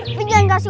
aku mengambil satu